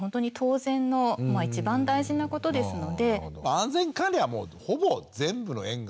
安全管理はもうほぼ全部の園が。